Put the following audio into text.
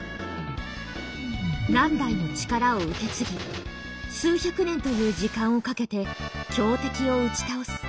何代も力を受け継ぎ数百年という時間をかけて強敵を打ち倒す。